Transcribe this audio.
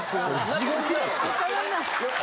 ・地獄だって。